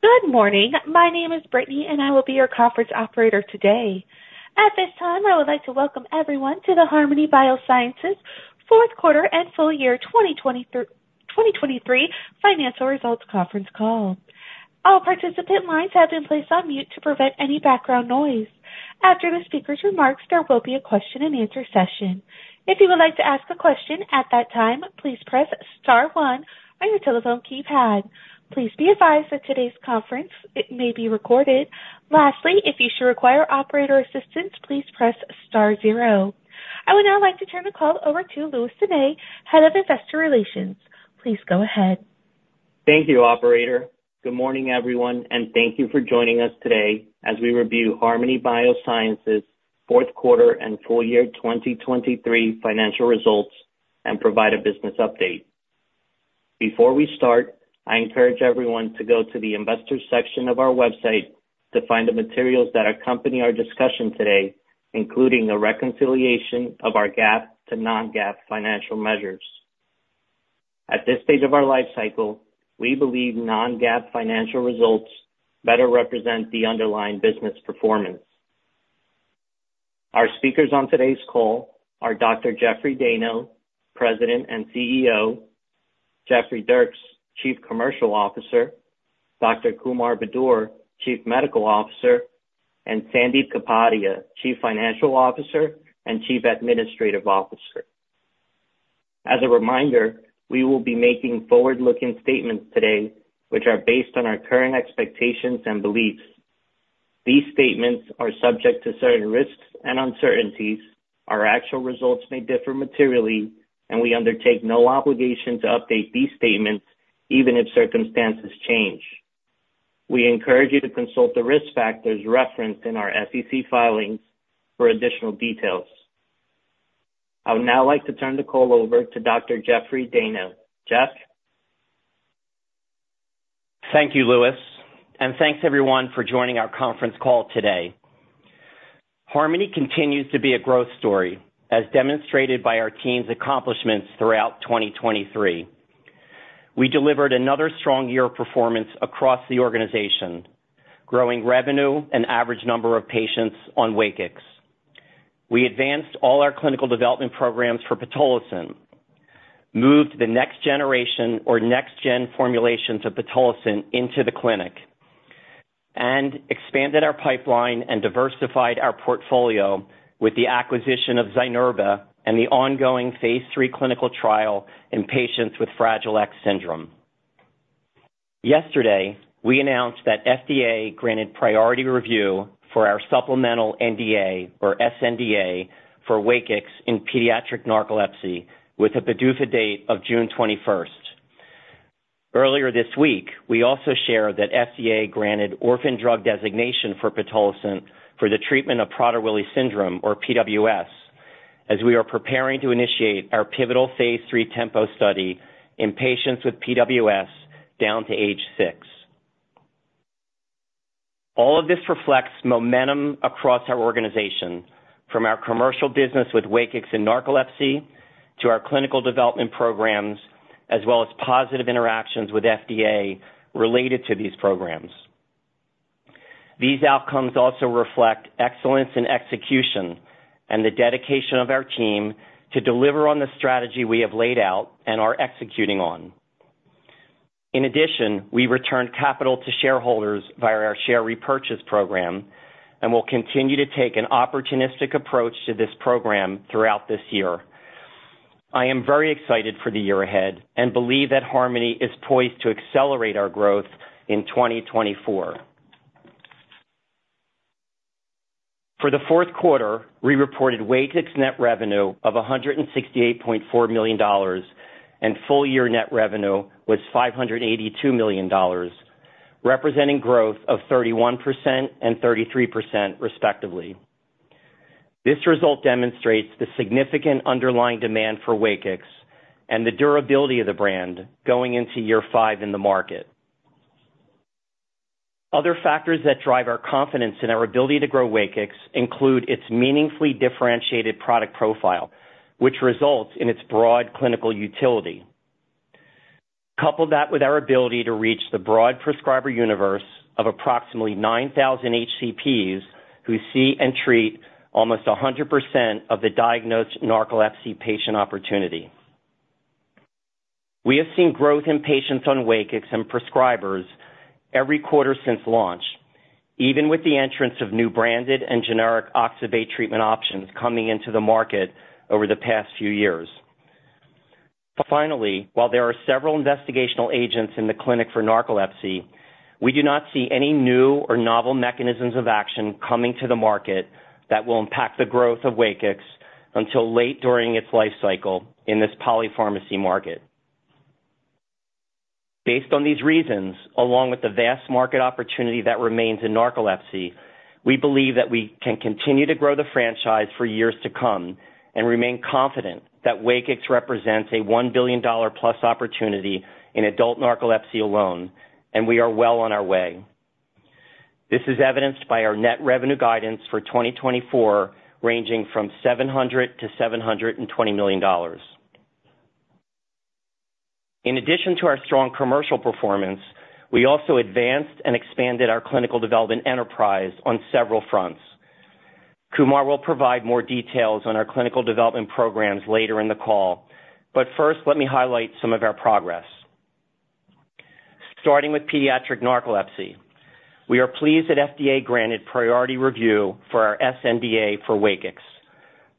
Good morning. My name is Brittany, and I will be your conference operator today. At this time, I would like to welcome everyone to the Harmony Biosciences fourth quarter and full year 2023 financial results conference call. All participant lines have been placed on mute to prevent any background noise. After the speaker's remarks, there will be a question-and-answer session. If you would like to ask a question at that time, please press star one on your telephone keypad. Please be advised that today's conference may be recorded. Lastly, if you should require operator assistance, please press star zero. I would now like to turn the call over to Luis Sanay, Head of Investor Relations. Please go ahead. Thank you, operator. Good morning, everyone, and thank you for joining us today as we review Harmony Biosciences' fourth quarter and full year 2023 financial results and provide a business update. Before we start, I encourage everyone to go to the investor section of our website to find the materials that accompany our discussion today, including a reconciliation of our GAAP to non-GAAP financial measures. At this stage of our life cycle, we believe non-GAAP financial results better represent the underlying business performance. Our speakers on today's call are Dr. Jeffrey Dayno, President and CEO, Jeffrey Dierks, Chief Commercial Officer, Dr. Kumar Budur, Chief Medical Officer, and Sandip Kapadia, Chief Financial Officer and Chief Administrative Officer. As a reminder, we will be making forward-looking statements today, which are based on our current expectations and beliefs. These statements are subject to certain risks and uncertainties. Our actual results may differ materially, and we undertake no obligation to update these statements even if circumstances change. We encourage you to consult the risk factors referenced in our SEC filings for additional details. I would now like to turn the call over to Dr. Jeffrey Dayno. Jeff? Thank you, Luis, and thanks, everyone, for joining our conference call today. Harmony continues to be a growth story, as demonstrated by our team's accomplishments throughout 2023. We delivered another strong year of performance across the organization, growing revenue and average number of patients on WAKIX. We advanced all our clinical development programs for pitolisant, moved the next-generation or next-gen formulations of pitolisant into the clinic, and expanded our pipeline and diversified our portfolio with the acquisition of Zynerba and the Phase III clinical trial in patients with Fragile X syndrome. Yesterday, we announced that FDA granted priority review for our supplemental NDA or sNDA for WAKIX in pediatric narcolepsy, with a PDUFA date of June 21st. Earlier this week, we also shared that FDA granted orphan drug designation for pitolisant for the treatment of Prader-Willi syndrome or PWS, as we are preparing to initiate our Phase III TEMPO study in patients with PWS down to age 6. All of this reflects momentum across our organization, from our commercial business with WAKIX in narcolepsy to our clinical development programs, as well as positive interactions with FDA related to these programs. These outcomes also reflect excellence in execution and the dedication of our team to deliver on the strategy we have laid out and are executing on. In addition, we returned capital to shareholders via our share repurchase program and will continue to take an opportunistic approach to this program throughout this year. I am very excited for the year ahead and believe that Harmony is poised to accelerate our growth in 2024. For the fourth quarter, we reported WAKIX net revenue of $168.4 million and full year net revenue was $582 million, representing growth of 31% and 33%, respectively. This result demonstrates the significant underlying demand for WAKIX and the durability of the brand going into Year 5 in the market. Other factors that drive our confidence in our ability to grow WAKIX include its meaningfully differentiated product profile, which results in its broad clinical utility. Couple that with our ability to reach the broad prescriber universe of approximately 9,000 HCPs who see and treat almost 100% of the diagnosed narcolepsy patient opportunity. We have seen growth in patients on WAKIX and prescribers every quarter since launch, even with the entrance of new branded and generic oxybate treatment options coming into the market over the past few years. Finally, while there are several investigational agents in the clinic for narcolepsy, we do not see any new or novel mechanisms of action coming to the market that will impact the growth of WAKIX until late during its life cycle in this polypharmacy market. Based on these reasons, along with the vast market opportunity that remains in narcolepsy, we believe that we can continue to grow the franchise for years to come and remain confident that WAKIX represents a $1 billion-plus opportunity in adult narcolepsy alone, and we are well on our way. This is evidenced by our net revenue guidance for 2024, ranging from $700 million-$720 million. In addition to our strong commercial performance, we also advanced and expanded our clinical development enterprise on several fronts. Kumar will provide more details on our clinical development programs later in the call, but first, let me highlight some of our progress. Starting with pediatric narcolepsy, we are pleased that FDA granted priority review for our sNDA for WAKIX.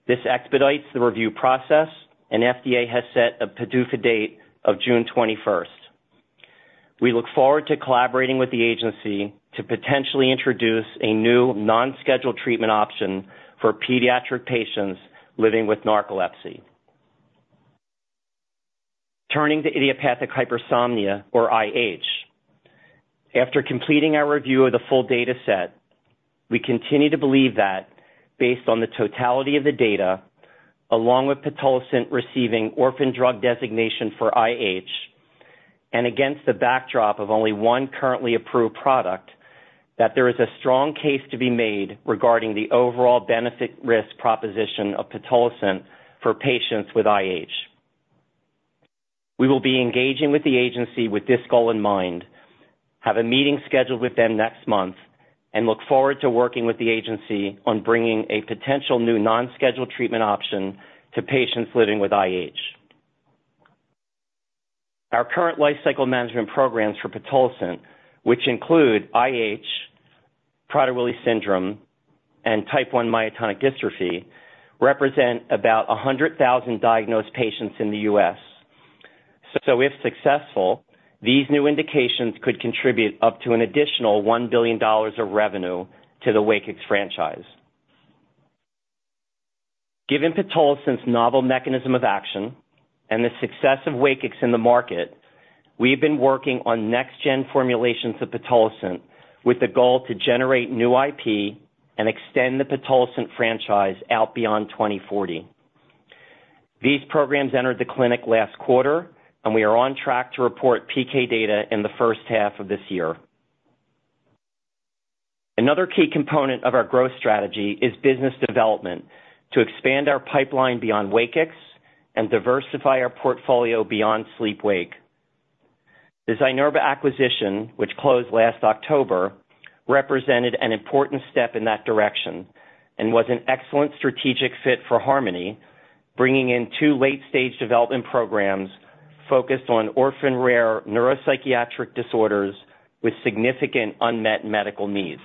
This expedites the review process, and FDA has set a PDUFA date of June 21st. We look forward to collaborating with the agency to potentially introduce a new non-scheduled treatment option for pediatric patients living with narcolepsy. Turning to idiopathic hypersomnia or IH. After completing our review of the full data set, we continue to believe that, based on the totality of the data, along with pitolisant receiving orphan drug designation for IH, and against the backdrop of only one currently approved product, that there is a strong case to be made regarding the overall benefit-risk proposition of pitolisant for patients with IH. We will be engaging with the agency with this goal in mind, have a meeting scheduled with them next month, and look forward to working with the agency on bringing a potential new non-scheduled treatment option to patients living with IH. Our current life cycle management programs for pitolisant, which include IH, Prader-Willi syndrome, and type 1 myotonic dystrophy, represent about 100,000 diagnosed patients in the U.S. So if successful, these new indications could contribute up to an additional $1 billion of revenue to the WAKIX franchise. Given pitolisant's novel mechanism of action and the success of WAKIX in the market, we have been working on next-gen formulations of pitolisant with the goal to generate new IP and extend the pitolisant franchise out beyond 2040. These programs entered the clinic last quarter, and we are on track to report PK data in the first half of this year. Another key component of our growth strategy is business development to expand our pipeline beyond WAKIX and diversify our portfolio beyond sleep/wake. The Zynerba acquisition, which closed last October, represented an important step in that direction and was an excellent strategic fit for Harmony, bringing in two late-stage development programs focused on orphan rare neuropsychiatric disorders with significant unmet medical needs.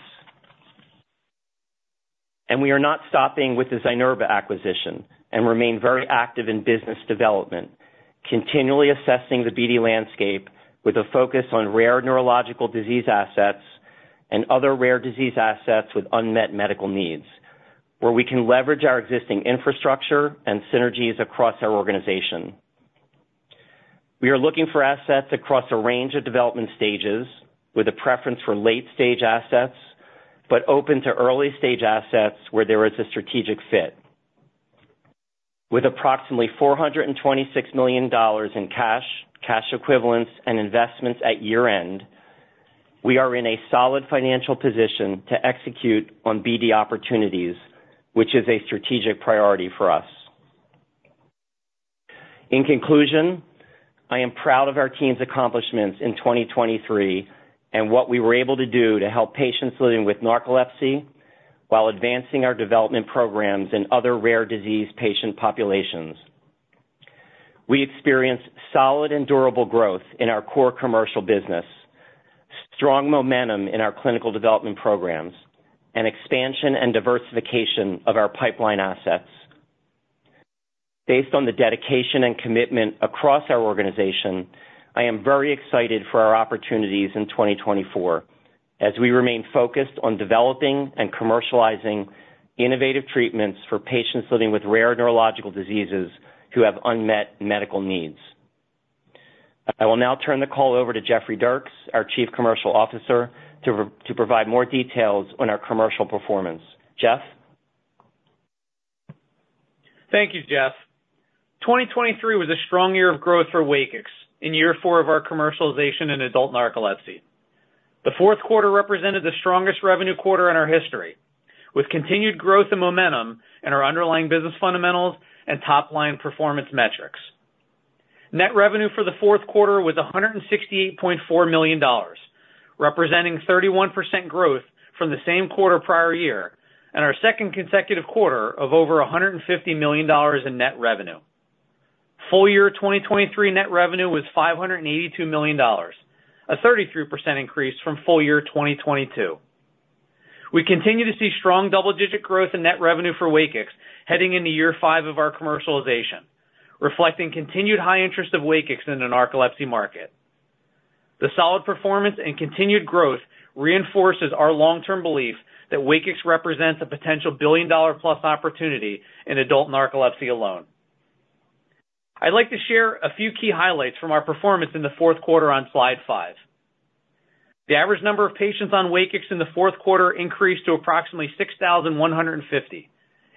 We are not stopping with the Zynerba acquisition and remain very active in business development, continually assessing the BD landscape with a focus on rare neurological disease assets and other rare disease assets with unmet medical needs, where we can leverage our existing infrastructure and synergies across our organization. We are looking for assets across a range of development stages, with a preference for late-stage assets but open to early-stage assets where there is a strategic fit. With approximately $426 million in cash, cash equivalents, and investments at year-end, we are in a solid financial position to execute on BD opportunities, which is a strategic priority for us. In conclusion, I am proud of our team's accomplishments in 2023 and what we were able to do to help patients living with narcolepsy while advancing our development programs in other rare disease patient populations. We experienced solid and durable growth in our core commercial business, strong momentum in our clinical development programs, and expansion and diversification of our pipeline assets. Based on the dedication and commitment across our organization, I am very excited for our opportunities in 2024 as we remain focused on developing and commercializing innovative treatments for patients living with rare neurological diseases who have unmet medical needs. I will now turn the call over to Jeffrey Dierks, our Chief Commercial Officer, to provide more details on our commercial performance. Jeff? Thank you, Jeff. 2023 was a strong year of growth for WAKIX in year four of our commercialization in adult narcolepsy. The fourth quarter represented the strongest revenue quarter in our history, with continued growth and momentum in our underlying business fundamentals and top-line performance metrics. Net revenue for the fourth quarter was $168.4 million, representing 31% growth from the same quarter prior year and our second consecutive quarter of over $150 million in net revenue. Full year 2023 net revenue was $582 million, a 33% increase from full year 2022. We continue to see strong double-digit growth in net revenue for WAKIX heading into Year 5 of our commercialization, reflecting continued high interest of WAKIX in the narcolepsy market. The solid performance and continued growth reinforces our long-term belief that WAKIX represents a potential billion-dollar-plus opportunity in adult narcolepsy alone. I'd like to share a few key highlights from our performance in the fourth quarter on slide 5. The average number of patients on WAKIX in the fourth quarter increased to approximately 6,150,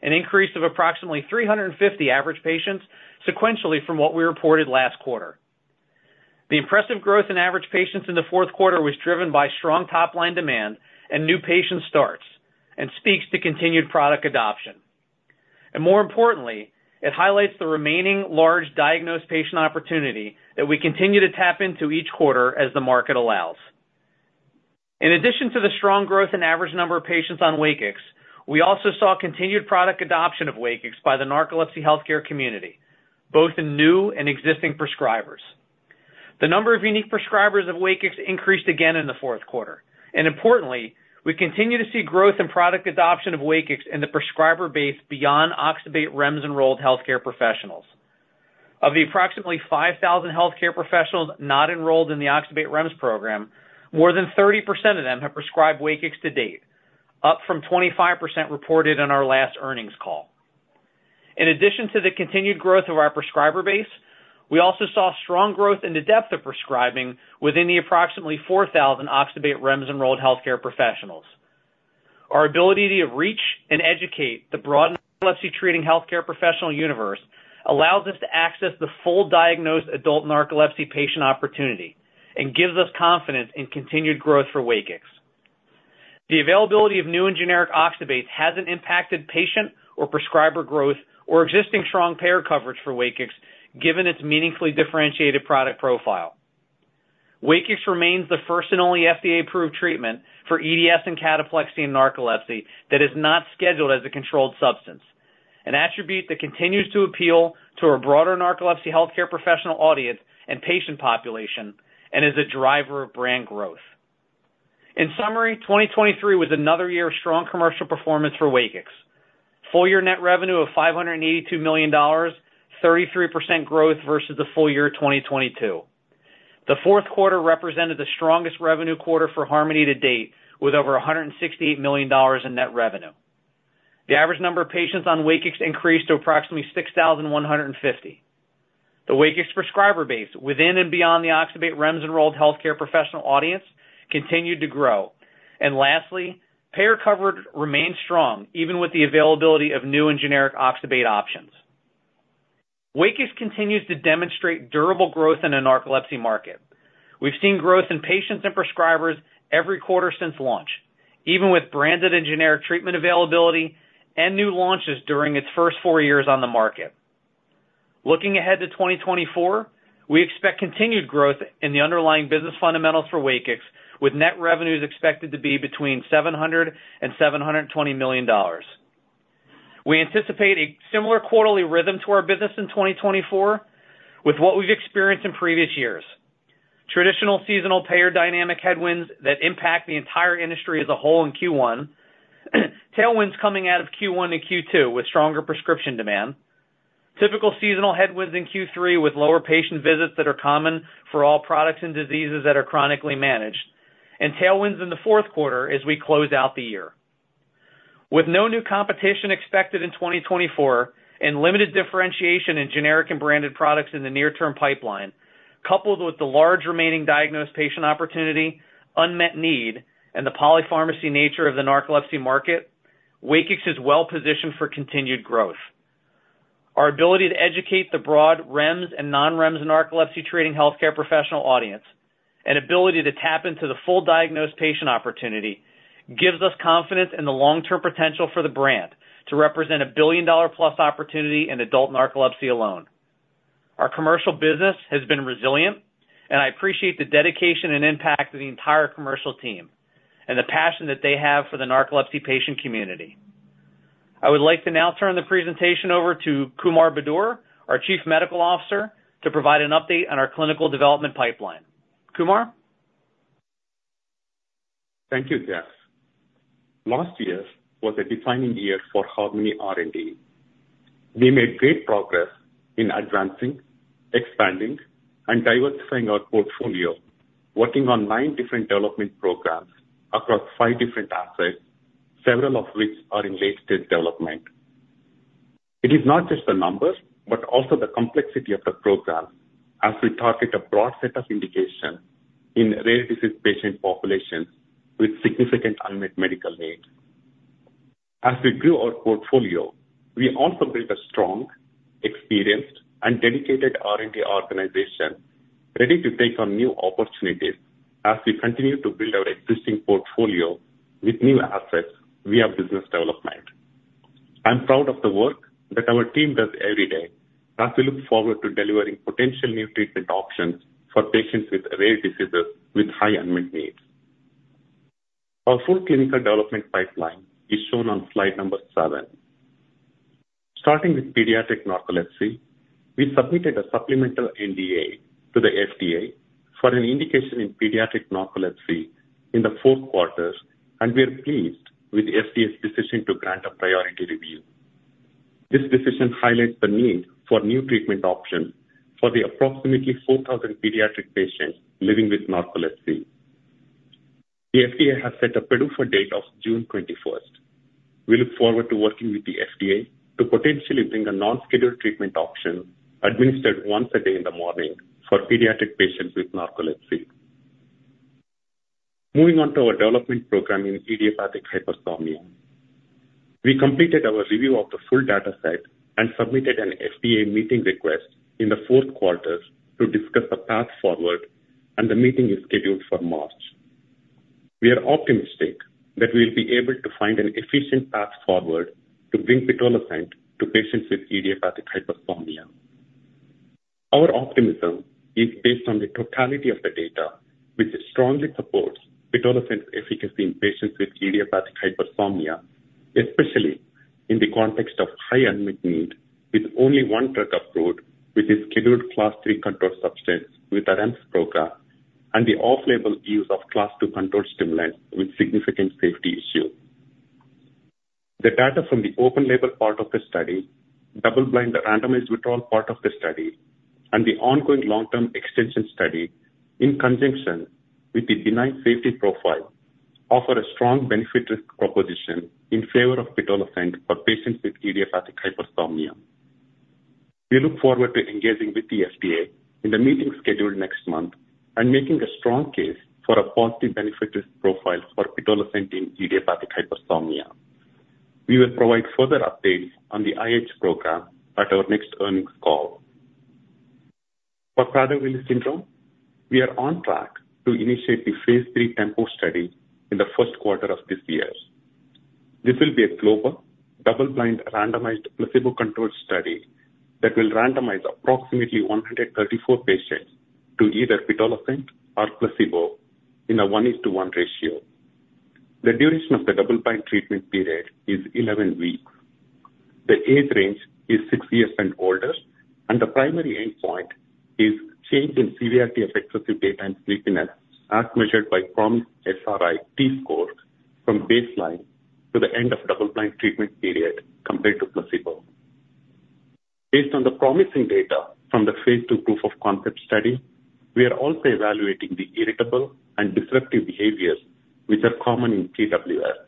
an increase of approximately 350 average patients sequentially from what we reported last quarter. The impressive growth in average patients in the fourth quarter was driven by strong top-line demand and new patient starts and speaks to continued product adoption. More importantly, it highlights the remaining large diagnosed patient opportunity that we continue to tap into each quarter as the market allows. In addition to the strong growth in average number of patients on WAKIX, we also saw continued product adoption of WAKIX by the narcolepsy healthcare community, both in new and existing prescribers. The number of unique prescribers of WAKIX increased again in the fourth quarter. Importantly, we continue to see growth in product adoption of WAKIX in the prescriber base beyond Oxybate REMS enrolled healthcare professionals. Of the approximately 5,000 healthcare professionals not enrolled in the Oxybate REMS program, more than 30% of them have prescribed WAKIX to date, up from 25% reported on our last earnings call. In addition to the continued growth of our prescriber base, we also saw strong growth in the depth of prescribing within the approximately 4,000 Oxybate REMS enrolled healthcare professionals. Our ability to reach and educate the broad narcolepsy treating healthcare professional universe allows us to access the full diagnosed adult narcolepsy patient opportunity and gives us confidence in continued growth for WAKIX. The availability of new and generic oxybates hasn't impacted patient or prescriber growth or existing strong payer coverage for WAKIX, given its meaningfully differentiated product profile. WAKIX remains the first and only FDA-approved treatment for EDS and cataplexy in narcolepsy that is not scheduled as a controlled substance, an attribute that continues to appeal to our broader narcolepsy healthcare professional audience and patient population and is a driver of brand growth. In summary, 2023 was another year of strong commercial performance for WAKIX, full year net revenue of $582 million, 33% growth versus the full year 2022. The fourth quarter represented the strongest revenue quarter for Harmony to date, with over $168 million in net revenue. The average number of patients on WAKIX increased to approximately 6,150. The WAKIX prescriber base within and beyond the Oxybate REMS enrolled healthcare professional audience continued to grow. And lastly, payer coverage remained strong even with the availability of new and generic oxybate options. WAKIX continues to demonstrate durable growth in the narcolepsy market. We've seen growth in patients and prescribers every quarter since launch, even with branded and generic treatment availability and new launches during its first four years on the market. Looking ahead to 2024, we expect continued growth in the underlying business fundamentals for WAKIX, with net revenues expected to be between $700-$720 million. We anticipate a similar quarterly rhythm to our business in 2024 with what we've experienced in previous years: traditional seasonal payer dynamic headwinds that impact the entire industry as a whole in Q1, tailwinds coming out of Q1 to Q2 with stronger prescription demand, typical seasonal headwinds in Q3 with lower patient visits that are common for all products and diseases that are chronically managed, and tailwinds in the fourth quarter as we close out the year. With no new competition expected in 2024 and limited differentiation in generic and branded products in the near-term pipeline, coupled with the large remaining diagnosed patient opportunity, unmet need, and the polypharmacy nature of the narcolepsy market, WAKIX is well-positioned for continued growth. Our ability to educate the broad REMS and non-REMS narcolepsy treating healthcare professional audience and ability to tap into the full diagnosed patient opportunity gives us confidence in the long-term potential for the brand to represent a billion-dollar-plus opportunity in adult narcolepsy alone. Our commercial business has been resilient, and I appreciate the dedication and impact of the entire commercial team and the passion that they have for the narcolepsy patient community. I would like to now turn the presentation over to Kumar Budur, our Chief Medical Officer, to provide an update on our clinical development pipeline. Kumar? Thank you, Jeff. Last year was a defining year for Harmony R&D. We made great progress in advancing, expanding, and diversifying our portfolio, working on 9 different development programs across 5 different assets, several of which are in late-stage development. It is not just the numbers but also the complexity of the program as we target a broad set of indications in rare disease patient populations with significant unmet medical needs. As we grew our portfolio, we also built a strong, experienced, and dedicated R&D organization ready to take on new opportunities as we continue to build our existing portfolio with new assets via business development. I'm proud of the work that our team does every day as we look forward to delivering potential new treatment options for patients with rare diseases with high unmet needs. Our full clinical development pipeline is shown on slide number 7. Starting with pediatric narcolepsy, we submitted a supplemental NDA to the FDA for an indication in pediatric narcolepsy in the fourth quarter, and we are pleased with the FDA's decision to grant a priority review. This decision highlights the need for new treatment options for the approximately 4,000 pediatric patients living with narcolepsy. The FDA has set a PDUFA date of June 21st. We look forward to working with the FDA to potentially bring a non-scheduled treatment option administered once a day in the morning for pediatric patients with narcolepsy. Moving on to our development program in idiopathic hypersomnia, we completed our review of the full dataset and submitted an FDA meeting request in the fourth quarter to discuss the path forward, and the meeting is scheduled for March. We are optimistic that we will be able to find an efficient path forward to bring pitolisant to patients with idiopathic hypersomnia. Our optimism is based on the totality of the data, which strongly supports pitolisant's efficacy in patients with idiopathic hypersomnia, especially in the context of high unmet need with only one drug approved, which is schedule III controlled substance with a REMS program, and the off-label use of class II controlled stimulants with significant safety issues. The data from the open-label part of the study, double-blind randomized withdrawal part of the study, and the ongoing long-term extension study in conjunction with the benign safety profile offer a strong benefit-risk proposition in favor of pitolisant for patients with idiopathic hypersomnia. We look forward to engaging with the FDA in the meeting scheduled next month and making a strong case for a positive benefit-risk profile for pitolisant in idiopathic hypersomnia. We will provide further updates on the IH program at our next earnings call. For Prader-Willi syndrome, we are on track to initiate the Phase III TEMPO study in the first quarter of this year. This will be a global, double-blind randomized placebo-controlled study that will randomize approximately 134 patients to either pitolisant or placebo in a 1:1 ratio. The duration of the double-blind treatment period is 11 weeks. The age range is six years and older, and the primary endpoint is change in severity of excessive daytime sleepiness as measured by PROMIS SRI T-score from baseline to the end of double-blind treatment period compared to placebo. Based on the promising data from the Phase II proof of concept study, we are also evaluating the irritable and disruptive behaviors which are common in PWS.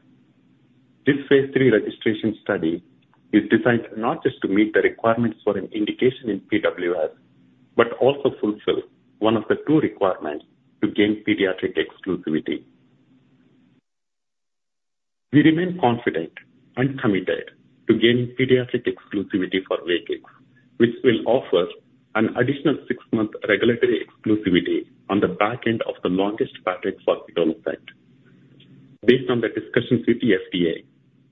This Phase III registration study is designed not just to meet the requirements for an indication in PWS but also fulfill one of the two requirements to gain pediatric exclusivity. We remain confident and committed to gaining pediatric exclusivity for WAKIX, which will offer an additional six-month regulatory exclusivity on the back end of the longest patent for pitolisant. Based on the discussions with the FDA,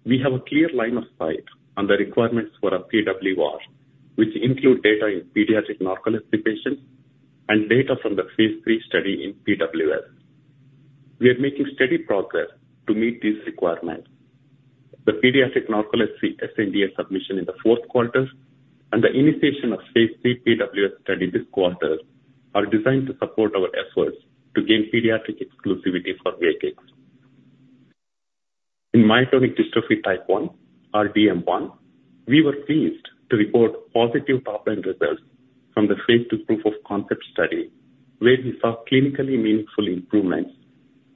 we have a clear line of sight on the requirements for our PWS, which include data in pediatric narcolepsy patients and data from the Phase III study in PWS. We are making steady progress to meet these requirements. The pediatric narcolepsy sNDA submission in the fourth quarter and the initiation of Phase III PWS study this quarter are designed to support our efforts to gain pediatric exclusivity for WAKIX. In myotonic dystrophy type 1, DM1, we were pleased to report positive top-line results from the Phase II proof of concept study where we saw clinically meaningful improvements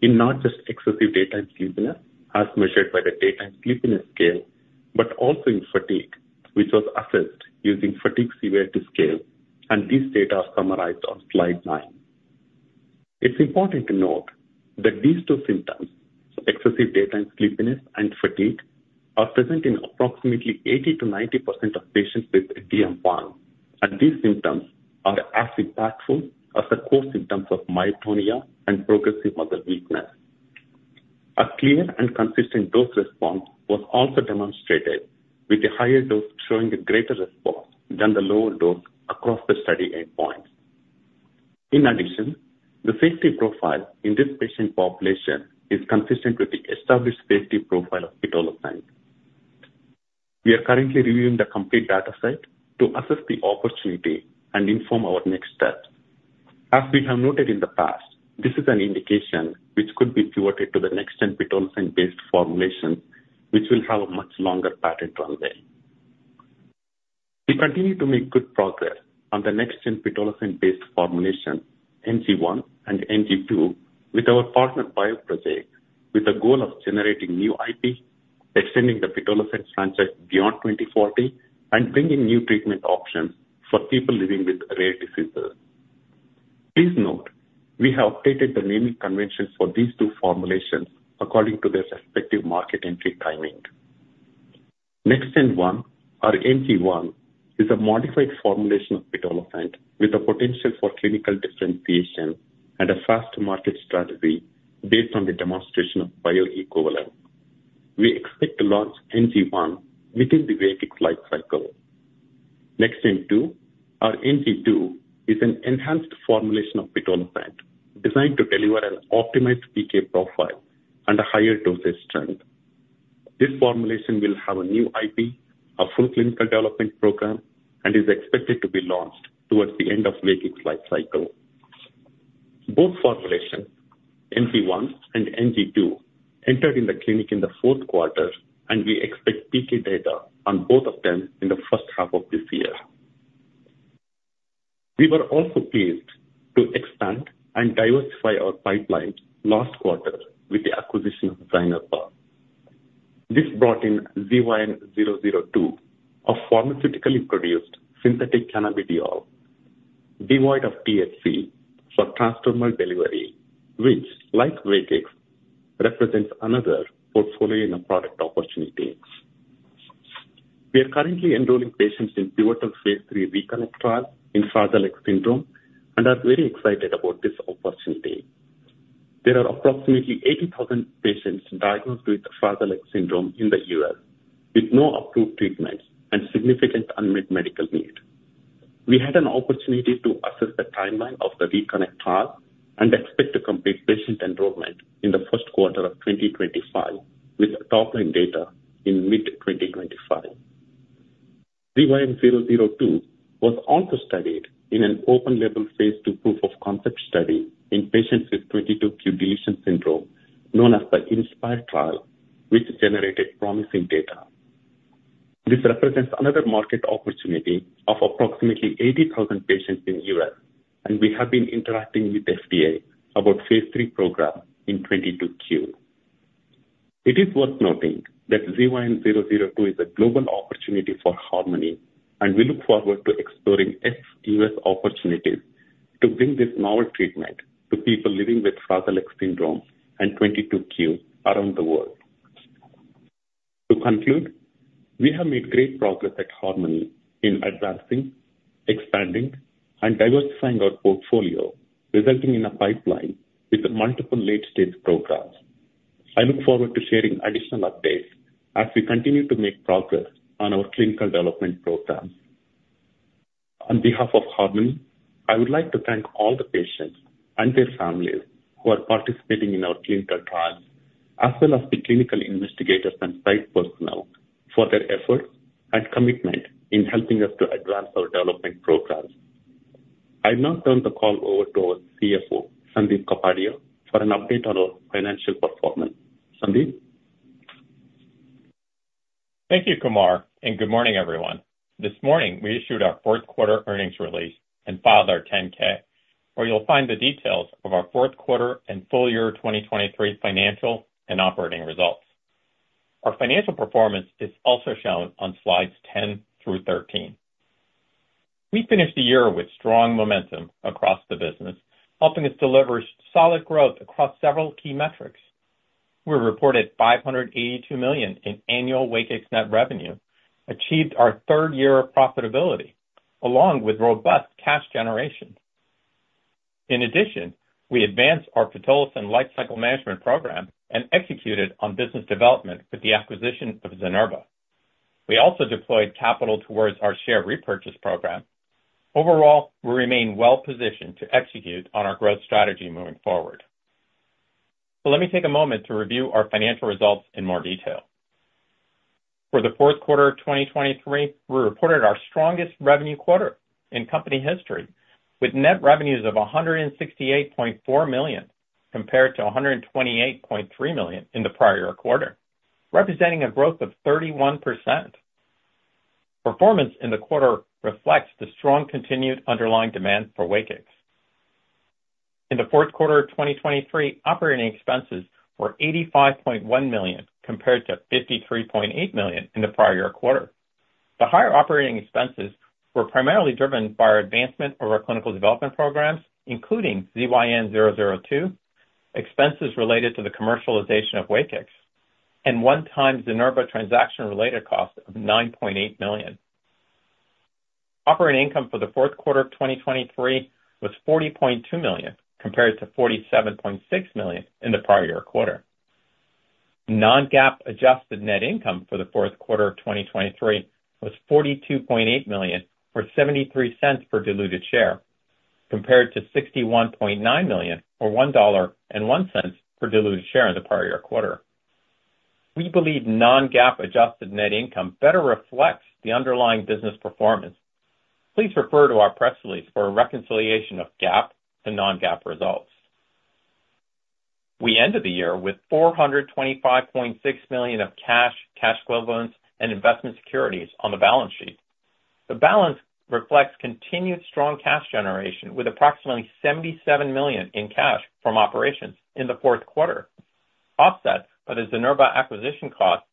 in not just excessive daytime sleepiness as measured by the Daytime Sleepiness Scale but also in fatigue, which was assessed using Fatigue Severity Scale, and these data are summarized on slide 9. It's important to note that these two symptoms, excessive daytime sleepiness and fatigue, are present in approximately 80%-90% of patients with DM1, and these symptoms are as impactful as the core symptoms of myotonia and progressive muscle weakness. A clear and consistent dose response was also demonstrated, with the higher dose showing a greater response than the lower dose across the study endpoints. In addition, the safety profile in this patient population is consistent with the established safety profile of pitolisant. We are currently reviewing the complete dataset to assess the opportunity and inform our next steps. As we have noted in the past, this is an indication which could be pivoted to the next-gen pitolisant-based formulations, which will have a much longer patent runway. We continue to make good progress on the next-gen pitolisant-based formulations, NG1 and NG2, with our partner Bioprojet, with the goal of generating new IP, extending the pitolisant franchise beyond 2040, and bringing new treatment options for people living with rare diseases. Please note, we have updated the naming convention for these two formulations according to their respective market entry timing. Next-gen one, or NG1, is a modified formulation of pitolisant with the potential for clinical differentiation and a fast-to-market strategy based on the demonstration of bioequivalent. We expect to launch NG1 within the WAKIX lifecycle. Next-gen two, or NG2, is an enhanced formulation of pitolisant designed to deliver an optimized PK profile and a higher dosage strength. This formulation will have a new IP, a full clinical development program, and is expected to be launched towards the end of WAKIX lifecycle. Both formulations, NG1 and NG2, entered in the clinic in the fourth quarter, and we expect PK data on both of them in the first half of this year. We were also pleased to expand and diversify our pipeline last quarter with the acquisition of Zynerba. This brought in ZYN002, a pharmaceutically produced synthetic cannabidiol, devoid of THC for transdermal delivery, which, like WAKIX, represents another portfolio in a product opportunity. We are currently enrolling patients in pivotal Phase III RECONNECT trial in Fragile X syndrome and are very excited about this opportunity. There are approximately 80,000 patients diagnosed with Fragile X syndrome in the U.S. with no approved treatments and significant unmet medical need. We had an opportunity to assess the timeline of the RECONNECT trial and expect to complete patient enrollment in the first quarter of 2025 with top-line data in mid-2025. ZYN002 was also studied in an open-label Phase II proof of concept study in patients with 22q deletion syndrome known as the INSPIRE trial, which generated promising data. This represents another market opportunity of approximately 80,000 patients in the U.S., and we have been interacting with the FDA about Phase III program in 22q. It is worth noting that ZYN002 is a global opportunity for Harmony, and we look forward to exploring ex-U.S. opportunities to bring this novel treatment to people living with Fragile X syndrome and 22q around the world. To conclude, we have made great progress at Harmony in advancing, expanding, and diversifying our portfolio, resulting in a pipeline with multiple late-stage programs. I look forward to sharing additional updates as we continue to make progress on our clinical development programs. On behalf of Harmony, I would like to thank all the patients and their families who are participating in our clinical trials, as well as the clinical investigators and site personnel, for their efforts and commitment in helping us to advance our development programs. I now turn the call over to our CFO, Sandip Kapadia, for an update on our financial performance. Sandip? Thank you, Kumar, and good morning, everyone. This morning, we issued our fourth quarter earnings release and filed our 10-K, where you'll find the details of our fourth quarter and full year 2023 financial and operating results. Our financial performance is also shown on slides 10 through 13. We finished the year with strong momentum across the business, helping us deliver solid growth across several key metrics. We reported $582 million in annual WAKIX net revenue, achieved our third year of profitability, along with robust cash generation. In addition, we advanced our pitolisant lifecycle management program and executed on business development with the acquisition of Zynerba. We also deployed capital towards our share repurchase program. Overall, we remain well-positioned to execute on our growth strategy moving forward. Let me take a moment to review our financial results in more detail. For the fourth quarter of 2023, we reported our strongest revenue quarter in company history, with net revenues of $168.4 million compared to $128.3 million in the prior quarter, representing a growth of 31%. Performance in the quarter reflects the strong continued underlying demand for WAKIX. In the fourth quarter of 2023, operating expenses were $85.1 million compared to $53.8 million in the prior quarter. The higher operating expenses were primarily driven by our advancement of our clinical development programs, including ZYN002, expenses related to the commercialization of WAKIX, and one-time Zynerba transaction-related cost of $9.8 million. Operating income for the fourth quarter of 2023 was $40.2 million compared to $47.6 million in the prior quarter. non-GAAP adjusted net income for the fourth quarter of 2023 was $42.8 million or $0.73 per diluted share, compared to $61.9 million or $1.01 per diluted share in the prior quarter. We believe non-GAAP adjusted net income better reflects the underlying business performance. Please refer to our press release for a reconciliation of GAAP to non-GAAP results. We ended the year with $425.6 million of cash, cash equivalents, and investment securities on the balance sheet. The balance reflects continued strong cash generation with approximately $77 million in cash from operations in the fourth quarter, offset by the Zynerba acquisition costs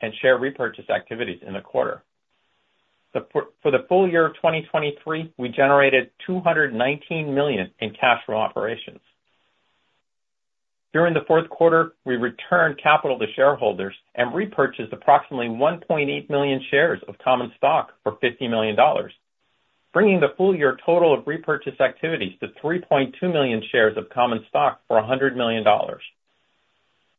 and share repurchase activities in the quarter. For the full year of 2023, we generated $219 million in cash from operations. During the fourth quarter, we returned capital to shareholders and repurchased approximately 1.8 million shares of common stock for $50 million, bringing the full year total of repurchase activities to 3.2 million shares of common stock for $100 million.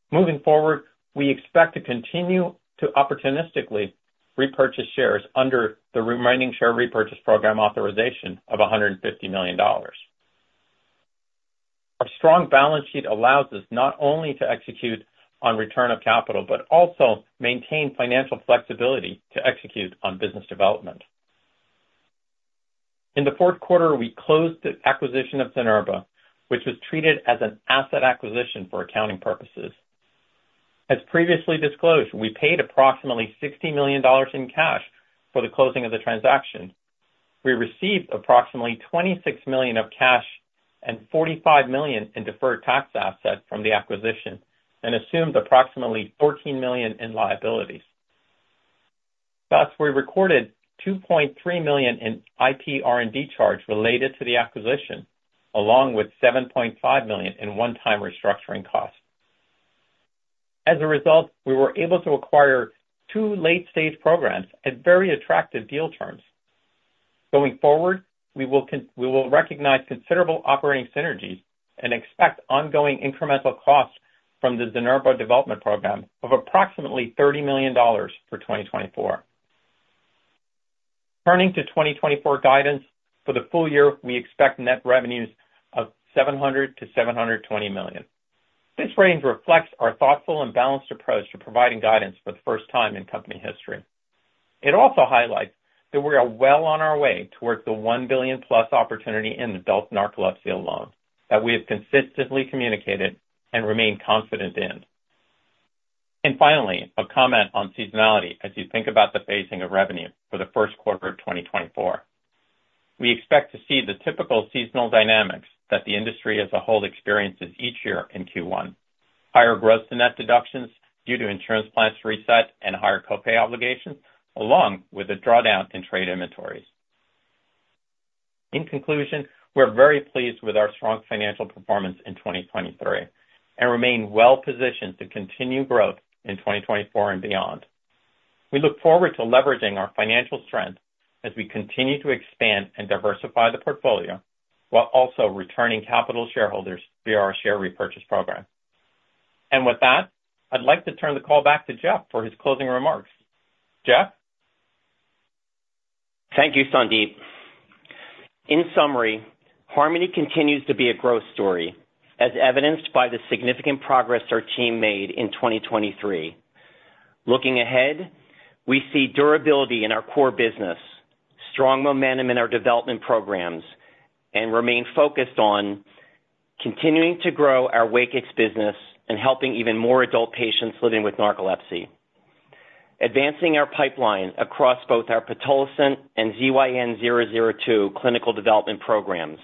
Moving forward, we expect to continue to opportunistically repurchase shares under the remaining share repurchase program authorization of $150 million. Our strong balance sheet allows us not only to execute on return of capital but also maintain financial flexibility to execute on business development. In the fourth quarter, we closed the acquisition of Zynerba, which was treated as an asset acquisition for accounting purposes. As previously disclosed, we paid approximately $60 million in cash for the closing of the transaction. We received approximately $26 million of cash and $45 million in deferred tax assets from the acquisition and assumed approximately $14 million in liabilities. Thus, we recorded $2.3 million in IP R&D charge related to the acquisition, along with $7.5 million in one-time restructuring costs. As a result, we were able to acquire two late-stage programs at very attractive deal terms. Going forward, we will recognize considerable operating synergies and expect ongoing incremental costs from the Zynerba development program of approximately $30 million for 2024. Turning to 2024 guidance, for the full year, we expect net revenues of $700 million-$720 million. This range reflects our thoughtful and balanced approach to providing guidance for the first time in company history. It also highlights that we are well on our way towards the $1 billion+ opportunity in adult narcolepsy alone that we have consistently communicated and remain confident in. And finally, a comment on seasonality as you think about the phasing of revenue for the first quarter of 2024. We expect to see the typical seasonal dynamics that the industry as a whole experiences each year in Q1: higher gross-to-net deductions due to insurance plans reset and higher copay obligations, along with a drawdown in trade inventories. In conclusion, we're very pleased with our strong financial performance in 2023 and remain well-positioned to continue growth in 2024 and beyond. We look forward to leveraging our financial strength as we continue to expand and diversify the portfolio while also returning capital to shareholders via our share repurchase program. With that, I'd like to turn the call back to Jeff for his closing remarks. Jeff? Thank you, Sandip. In summary, Harmony continues to be a growth story, as evidenced by the significant progress our team made in 2023. Looking ahead, we see durability in our core business, strong momentum in our development programs, and remain focused on continuing to grow our WAKIX business and helping even more adult patients living with narcolepsy, advancing our pipeline across both our pitolisant and ZYN002 clinical development programs,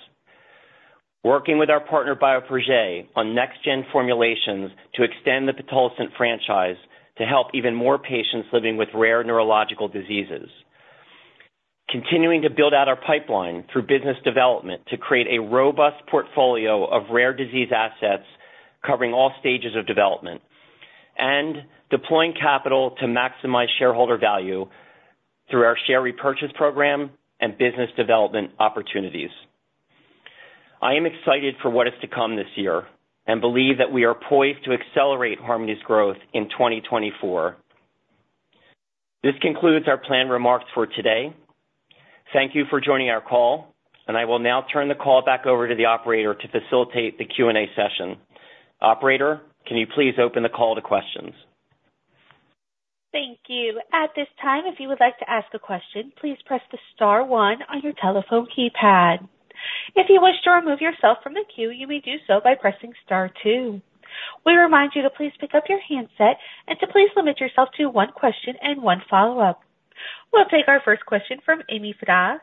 working with our partner Bioprojet on next-gen formulations to extend the pitolisant franchise to help even more patients living with rare neurological diseases, continuing to build out our pipeline through business development to create a robust portfolio of rare disease assets covering all stages of development, and deploying capital to maximize shareholder value through our share repurchase program and business development opportunities. I am excited for what is to come this year and believe that we are poised to accelerate Harmony's growth in 2024. This concludes our planned remarks for today. Thank you for joining our call, and I will now turn the call back over to the operator to facilitate the Q&A session. Operator, can you please open the call to questions? Thank you. At this time, if you would like to ask a question, please press the star one on your telephone keypad. If you wish to remove yourself from the queue, you may do so by pressing star two. We remind you to please pick up your handset and to please limit yourself to one question and one follow-up. We'll take our first question from Ami Fadia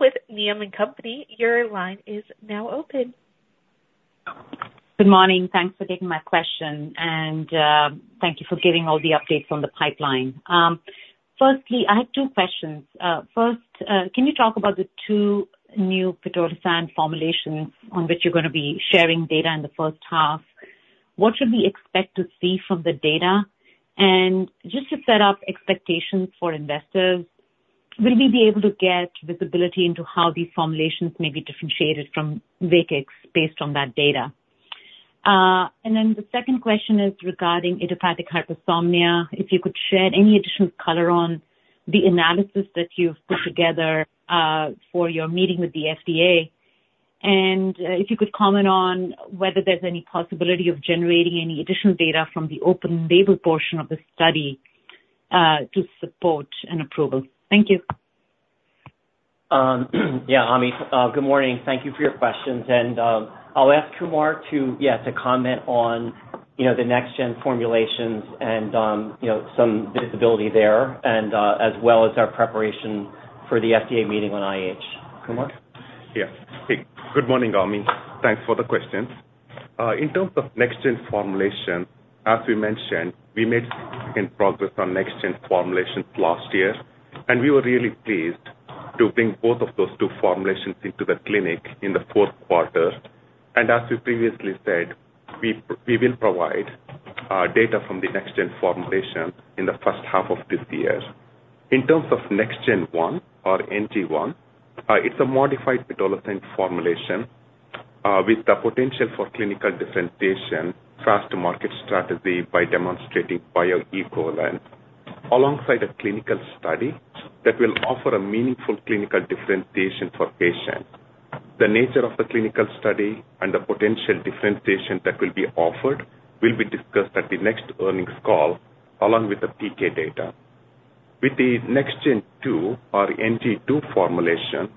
with Needham & Company. Your line is now open. Good morning. Thanks for getting my question, and thank you for giving all the updates on the pipeline. Firstly, I have two questions. First, can you talk about the two new pitolisant formulations on which you're going to be sharing data in the first half? What should we expect to see from the data? And just to set up expectations for investors, will we be able to get visibility into how these formulations may be differentiated from WAKIX based on that data? And then the second question is regarding idiopathic hypersomnia. If you could share any additional color on the analysis that you've put together for your meeting with the FDA, and if you could comment on whether there's any possibility of generating any additional data from the open-label portion of the study to support an approval. Thank you. Yeah, Ami. Good morning. Thank you for your questions. I'll ask Kumar to, yeah, to comment on the next-gen formulations and some visibility there, as well as our preparation for the FDA meeting on IH. Kumar? Yeah. Good morning, Ami. Thanks for the question. In terms of next-gen formulation, as we mentioned, we made significant progress on next-gen formulations last year, and we were really pleased to bring both of those two formulations into the clinic in the fourth quarter. As we previously said, we will provide data from the next-gen formulation in the first half of this year. In terms of next-gen one, or NG1, it's a modified pitolisant formulation with the potential for clinical differentiation, fast-to-market strategy by demonstrating bioequivalence, alongside a clinical study that will offer a meaningful clinical differentiation for patients. The nature of the clinical study and the potential differentiation that will be offered will be discussed at the next earnings call, along with the PK data. With the next-gen 2, or NG2 formulation,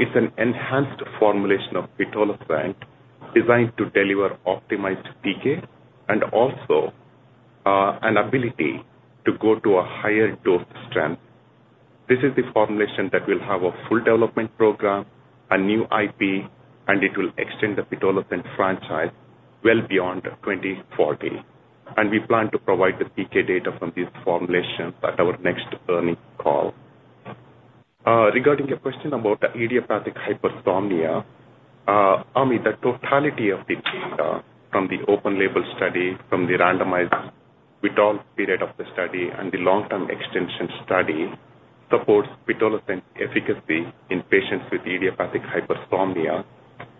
it's an enhanced formulation of pitolisant designed to deliver optimized PK and also an ability to go to a higher dose strength. This is the formulation that will have a full development program, a new IP, and it will extend the pitolisant franchise well beyond 2040. We plan to provide the PK data from these formulations at our next earnings call. Regarding your question about idiopathic hypersomnia, Ami, the totality of the data from the open-label study, from the randomized withdrawal period of the study, and the long-term extension study supports pitolisant efficacy in patients with idiopathic hypersomnia.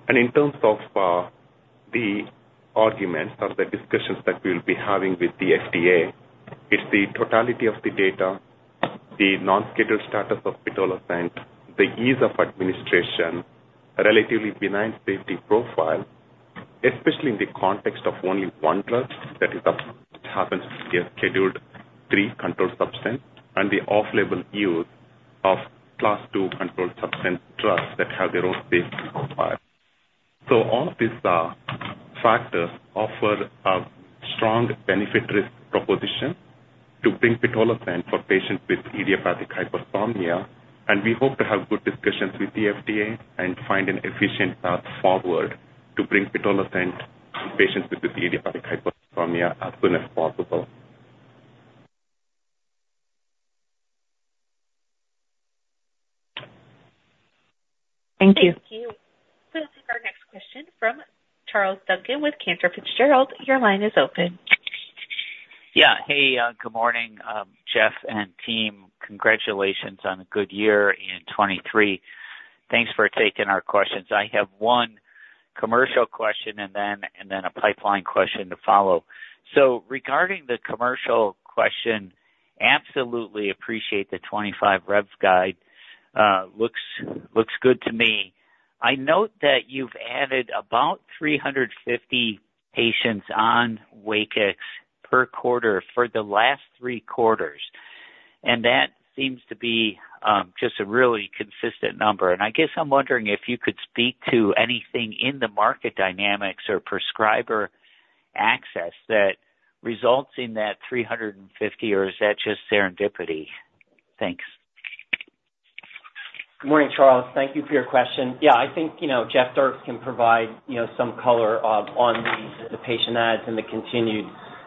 In terms of the arguments or the discussions that we will be having with the FDA, it's the totality of the data, the non-scheduled status of pitolisant, the ease of administration, relatively benign safety profile, especially in the context of only one drug that happens to be a schedule III controlled substance, and the off-label use of class II controlled substance drugs that have their own safety profile. All of these factors offer a strong benefit-risk proposition to bring pitolisant for patients with idiopathic hypersomnia. We hope to have good discussions with the FDA and find an efficient path forward to bring pitolisant to patients with idiopathic hypersomnia as soon as possible. Thank you. Thank you. We'll take our next question from Charles Duncan with Cantor Fitzgerald. Your line is open. Yeah. Hey. Good morning, Jeff and team. Congratulations on a good year in 2023. Thanks for taking our questions. I have one commercial question and then a pipeline question to follow. So regarding the commercial question, absolutely appreciate the 25% revs guide. Looks good to me. I note that you've added about 350 patients on WAKIX per quarter for the last three quarters, and that seems to be just a really consistent number. And I guess I'm wondering if you could speak to anything in the market dynamics or prescriber access that results in that 350, or is that just serendipity? Thanks. Good morning, Charles. Thank you for your question. Yeah, I think Jeff Dierks can provide some color on the patient adds and the continued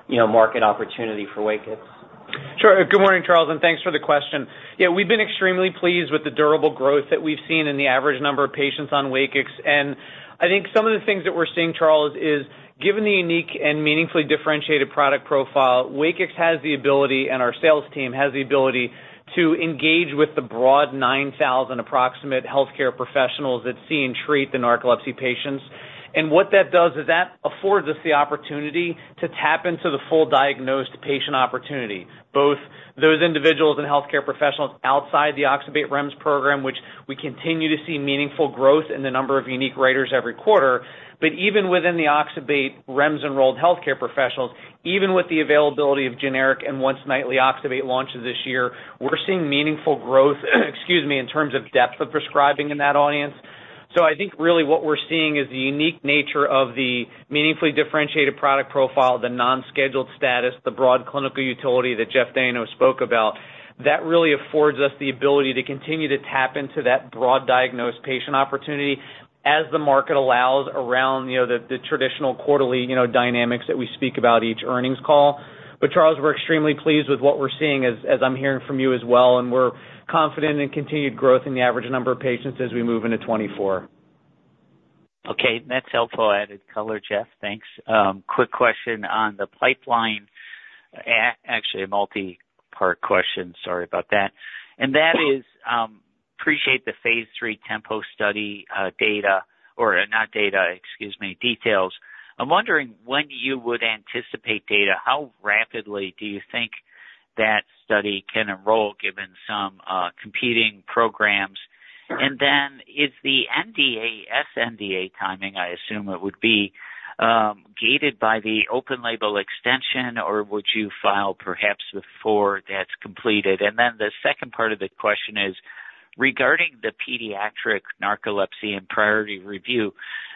market opportunity for WAKIX. Sure. Good morning, Charles, and thanks for the question. Yeah, we've been extremely pleased with the durable growth that we've seen in the average number of patients on WAKIX. And I think some of the things that we're seeing, Charles, is given the unique and meaningfully differentiated product profile, WAKIX has the ability, and our sales team has the ability, to engage with the broad 9,000 approximate healthcare professionals that see and treat the narcolepsy patients. And what that does is that affords us the opportunity to tap into the full diagnosed patient opportunity, both those individuals and healthcare professionals outside the Oxybate REMS program, which we continue to see meaningful growth in the number of unique writers every quarter. But even within the Oxybate REMS-enrolled healthcare professionals, even with the availability of generic and once-nightly oxybate launches this year, we're seeing meaningful growth, excuse me, in terms of depth of prescribing in that audience. So I think really what we're seeing is the unique nature of the meaningfully differentiated product profile, the non-scheduled status, the broad clinical utility that Jeff Dayno spoke about. That really affords us the ability to continue to tap into that broad diagnosed patient opportunity as the market allows around the traditional quarterly dynamics that we speak about each earnings call. But, Charles, we're extremely pleased with what we're seeing, as I'm hearing from you as well, and we're confident in continued growth in the average number of patients as we move into 2024. Okay. That's helpful added color, Jeff. Thanks. Quick question on the pipeline actually, a multi-part question. Sorry about that. And that is, appreciate Phase III TEMPO study data or not data, excuse me, details. I'm wondering when you would anticipate data. How rapidly do you think that study can enroll given some competing programs? And then is the sNDA timing, I assume it would be, gated by the open-label extension, or would you file perhaps before that's completed? And then the second part of the question is regarding the pediatric narcolepsy and priority review.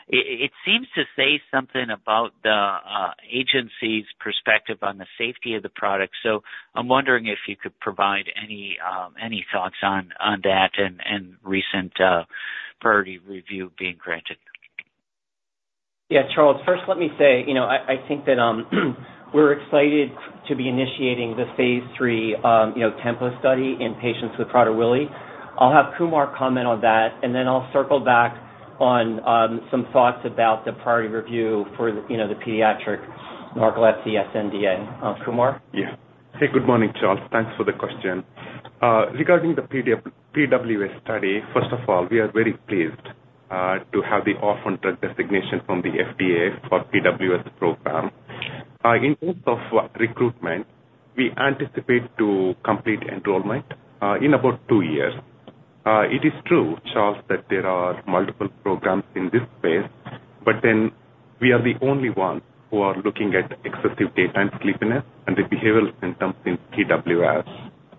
It seems to say something about the agency's perspective on the safety of the product. So I'm wondering if you could provide any thoughts on that and recent priority review being granted. Yeah, Charles. First, let me say I think that we're excited to be initiating Phase III TEMPO study in patients with Prader-Willi. I'll have Kumar comment on that, and then I'll circle back on some thoughts about the priority review for the pediatric narcolepsy sNDA. Kumar? Yeah. Hey. Good morning, Charles. Thanks for the question. Regarding the PWS study, first of all, we are very pleased to have the orphan drug designation from the FDA for PWS program. In terms of recruitment, we anticipate to complete enrollment in about two years. It is true, Charles, that there are multiple programs in this space, but then we are the only ones who are looking at excessive daytime sleepiness and the behavioral symptoms in PWS.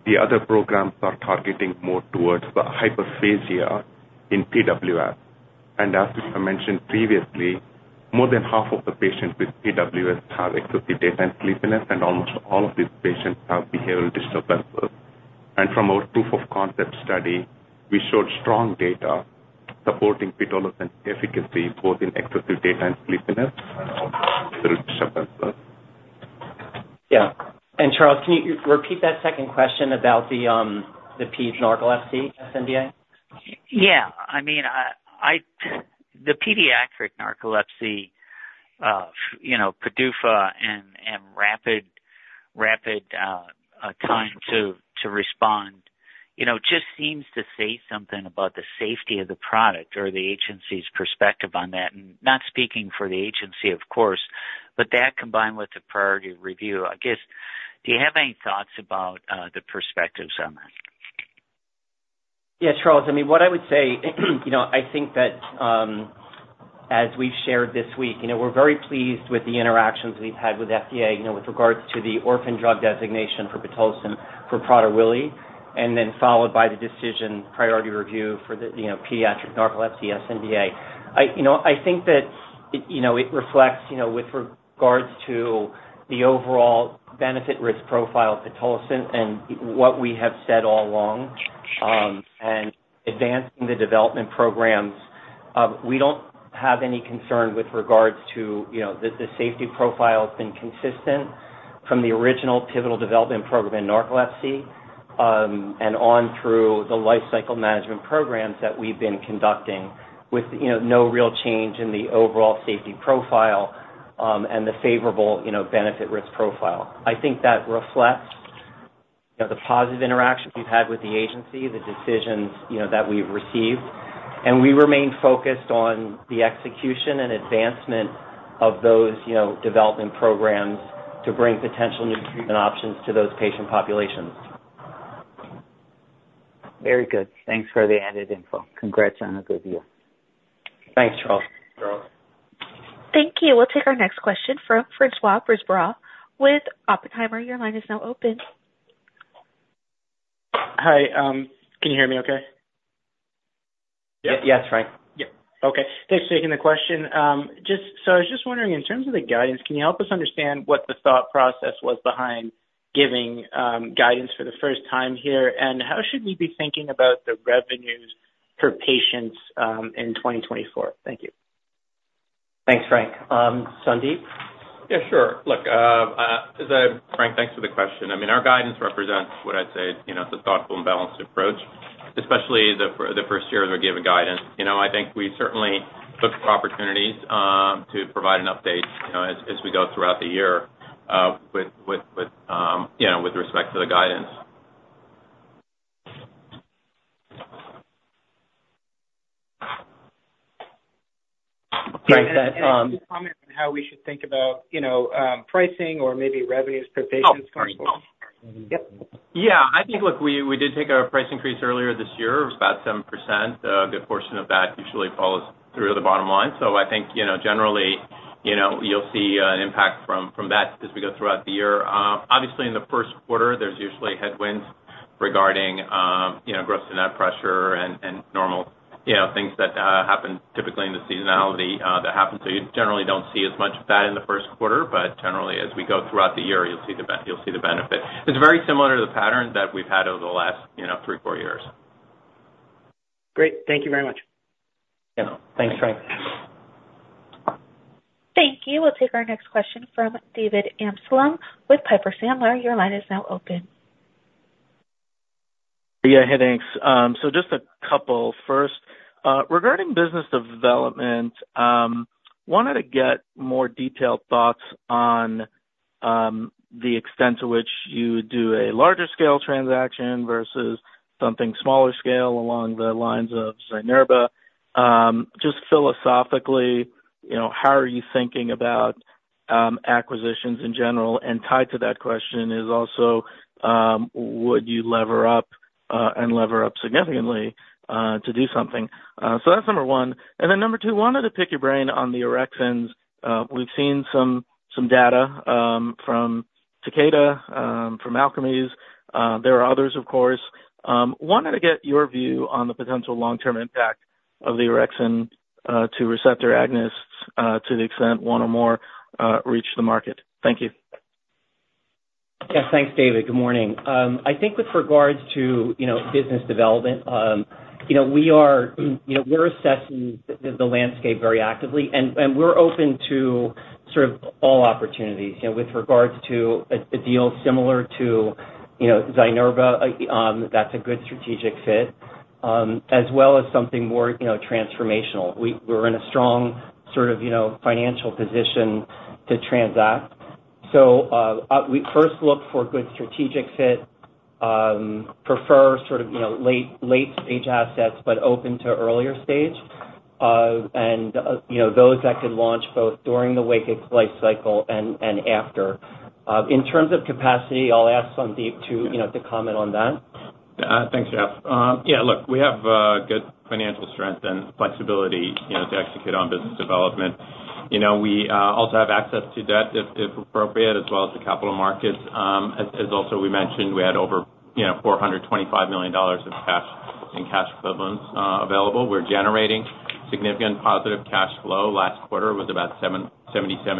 The other programs are targeting more towards hyperphagia in PWS. And as we have mentioned previously, more than half of the patients with PWS have excessive daytime sleepiness, and almost all of these patients have behavioral disturbances. And from our proof of concept study, we showed strong data supporting pitolisant efficacy both in excessive daytime sleepiness and also behavioral disturbances. Yeah. Charles, can you repeat that second question about the pediatric narcolepsy sNDA? Yeah. I mean, the pediatric narcolepsy, PDUFA, and rapid time to respond just seems to say something about the safety of the product or the agency's perspective on that. And not speaking for the agency, of course, but that combined with the priority review, I guess, do you have any thoughts about the perspectives on that? Yeah, Charles. I mean, what I would say, I think that as we've shared this week, we're very pleased with the interactions we've had with the FDA with regards to the orphan drug designation for pitolisant for Prader-Willi syndrome, and then followed by the priority review decision for the pediatric narcolepsy sNDA. I think that it reflects with regards to the overall benefit-risk profile of pitolisant and what we have said all along and advancing the development programs. We don't have any concern with regards to the safety profile. It's been consistent from the original pivotal development program in narcolepsy and on through the lifecycle management programs that we've been conducting with no real change in the overall safety profile and the favorable benefit-risk profile. I think that reflects the positive interactions we've had with the agency, the decisions that we've received. We remain focused on the execution and advancement of those development programs to bring potential new treatment options to those patient populations. Very good. Thanks for the added info. Congrats on a good year. Thanks, Charles. Thank you. We'll take our next question from Francois Brisebois with Oppenheimer. Your line is now open. Hi. Can you hear me okay? Yes. Yes, Frank. Yep. Okay. Thanks for taking the question. So I was just wondering, in terms of the guidance, can you help us understand what the thought process was behind giving guidance for the first time here? And how should we be thinking about the revenues per patient in 2024? Thank you. Thanks, Frank. Sandip? Yeah, sure. Look, hi, Frank. Thanks for the question. I mean, our guidance represents, would I say, it's a thoughtful and balanced approach, especially the first year as we're giving guidance. I think we certainly look for opportunities to provide an update as we go throughout the year with respect to the guidance. Frank. Any comment on how we should think about pricing or maybe revenues per patient coming forward? Oh, sorry. Yep. Yeah. I think, look, we did take a price increase earlier this year of about 7%. A good portion of that usually follows through to the bottom line. So I think, generally, you'll see an impact from that as we go throughout the year. Obviously, in the first quarter, there's usually headwinds regarding gross-to-net pressure and normal things that happen typically in the seasonality that happens. So you generally don't see as much of that in the first quarter, but generally, as we go throughout the year, you'll see the benefit. It's very similar to the pattern that we've had over the last 3, 4 years. Great. Thank you very much. Yeah. Thanks, Frank. Thank you. We'll take our next question from David Amsellem with Piper Sandler. Your line is now open. Yeah. Hey. Thanks. So just a couple. First, regarding business development, wanted to get more detailed thoughts on the extent to which you do a larger-scale transaction versus something smaller-scale along the lines of Zynerba. Just philosophically, how are you thinking about acquisitions in general? And tied to that question is also, would you lever up and lever up significantly to do something? So that's number one. And then number two, wanted to pick your brain on the orexins. We've seen some data from Takeda, from Alkermes. There are others, of course. Wanted to get your view on the potential long-term impact of the orexin receptor agonists to the extent one or more reach the market. Thank you. Yeah. Thanks, David. Good morning. I think with regards to business development, we're assessing the landscape very actively, and we're open to sort of all opportunities. With regards to a deal similar to Zynerba, that's a good strategic fit, as well as something more transformational. We're in a strong sort of financial position to transact. So we first look for good strategic fit, prefer sort of late-stage assets but open to earlier stage, and those that could launch both during the WAKIX lifecycle and after. In terms of capacity, I'll ask Sandip to comment on that. Thanks, Jeff. Yeah. Look, we have good financial strength and flexibility to execute on business development. We also have access to debt if appropriate, as well as the capital markets. As also we mentioned, we had over $425 million in cash equivalents available. We're generating significant positive cash flow. Last quarter was about $77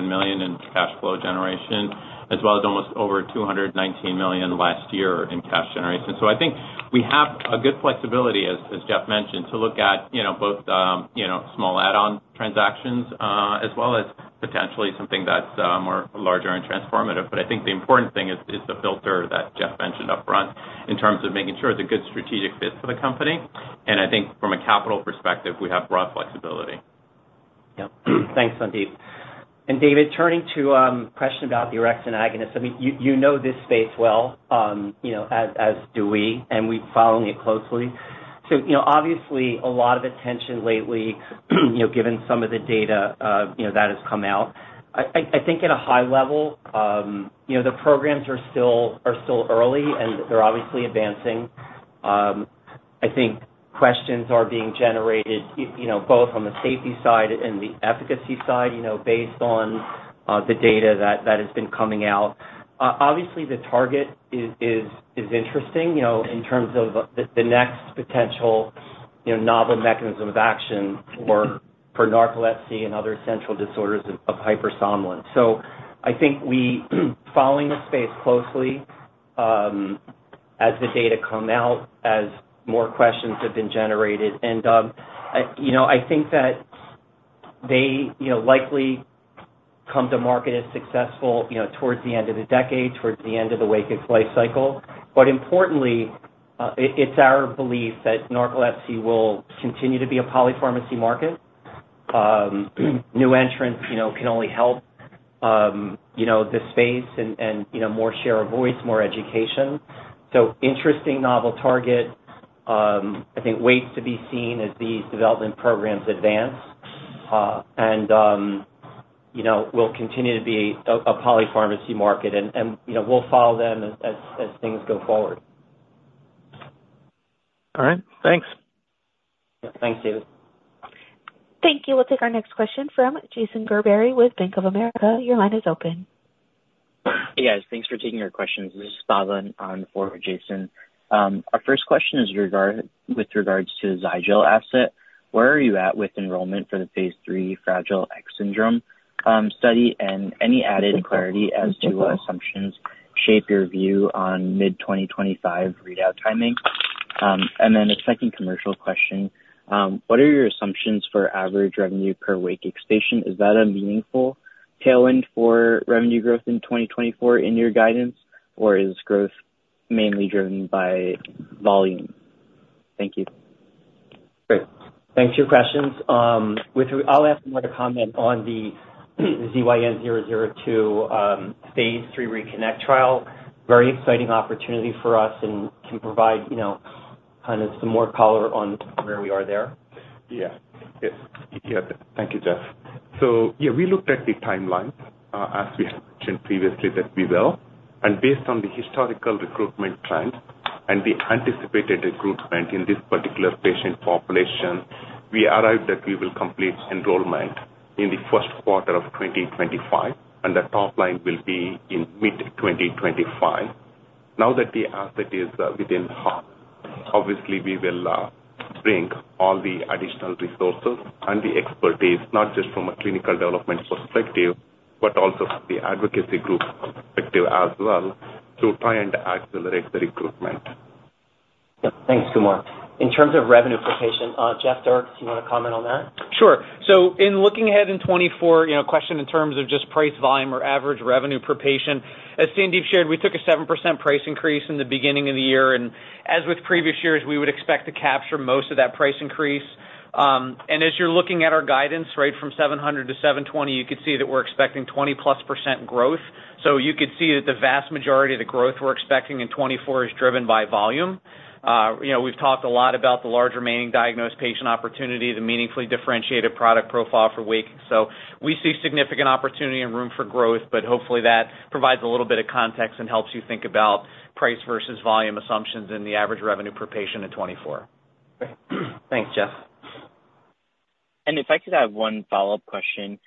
million in cash flow generation, as well as almost over $219 million last year in cash generation. So I think we have a good flexibility, as Jeff mentioned, to look at both small add-on transactions as well as potentially something that's larger and transformative. But I think the important thing is the filter that Jeff mentioned upfront in terms of making sure it's a good strategic fit for the company. And I think from a capital perspective, we have broad flexibility. Yep. Thanks, Sandip. David, turning to a question about the orexin agonists. I mean, you know this space well, as do we, and we're following it closely. So obviously, a lot of attention lately given some of the data that has come out. I think at a high level, the programs are still early, and they're obviously advancing. I think questions are being generated both on the safety side and the efficacy side based on the data that has been coming out. Obviously, the target is interesting in terms of the next potential novel mechanism of action for narcolepsy and other essential disorders of hypersomnolence. So I think we're following the space closely as the data come out, as more questions have been generated. And I think that they likely come to market as successful towards the end of the decade, towards the end of the WAKIX lifecycle. Importantly, it's our belief that narcolepsy will continue to be a polypharmacy market. New entrants can only help the space and more share of voice, more education. Interesting novel target. I think waits to be seen as these development programs advance and will continue to be a polypharmacy market. We'll follow them as things go forward. All right. Thanks. Yeah. Thanks, David. Thank you. We'll take our next question from Jason Gerberry with Bank of America. Your line is open. Hey, guys. Thanks for taking our questions. This is Bhavin on the phone with Jason. Our first question is with regards to the Zygel asset. Where are you at with enrollment for Phase III Fragile X syndrome study and any added clarity as to what assumptions shape your view on mid-2025 readout timing? And then a second commercial question. What are your assumptions for average revenue per WAKIX patient? Is that a meaningful tailwind for revenue growth in 2024 in your guidance, or is growth mainly driven by volume? Thank you. Great. Thanks for your questions. I'll ask them to comment on the Phase III RECONNECT trial. Very exciting opportunity for us and can provide kind of some more color on where we are there. Yeah. Yeah. Thank you, Jeff. So yeah, we looked at the timeline, as we had mentioned previously, that we will. And based on the historical recruitment trend and the anticipated recruitment in this particular patient population, we arrived at we will complete enrollment in the first quarter of 2025, and the top line will be in mid-2025. Now that the asset is within. Obviously, we will bring all the additional resources and the expertise, not just from a clinical development perspective but also from the advocacy group perspective as well, to try and accelerate the recruitment. Yep. Thanks, Kumar. In terms of revenue per patient, Jeff Dierks, do you want to comment on that? Sure. So in looking ahead in 2024, question in terms of just price, volume, or average revenue per patient. As Sandip shared, we took a 7% price increase in the beginning of the year. As with previous years, we would expect to capture most of that price increase. As you're looking at our guidance, right, from $700 million-$720 million, you could see that we're expecting 20%+ growth. So you could see that the vast majority of the growth we're expecting in 2024 is driven by volume. We've talked a lot about the large remaining diagnosed patient opportunity, the meaningfully differentiated product profile for WAKIX. So we see significant opportunity and room for growth, but hopefully, that provides a little bit of context and helps you think about price versus volume assumptions and the average revenue per patient in 2024. Thanks, Jeff. If I could have one follow-up question,